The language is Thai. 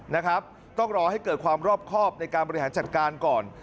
นะครับต้องรอให้เกิดความรอบครอบในการบริหารจัดการก่อน